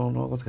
nó có thể